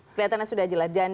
kelihatan sudah jelas